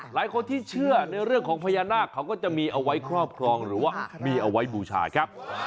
หลายคนที่เชื่อในเรื่องของพญานาคเขาก็จะมีเอาไว้ครอบครองหรือว่ามีเอาไว้บูชาครับ